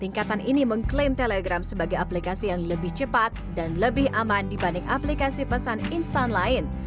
tingkatan ini mengklaim telegram sebagai aplikasi yang lebih cepat dan lebih aman dibanding aplikasi pesan instan lain